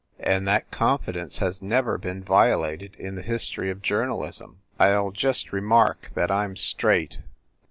And that confidence has never been violated in the history of journalism. I ll just remark that I m straight."